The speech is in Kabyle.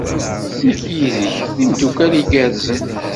Nekk yid-k d imeddukal igerrzen.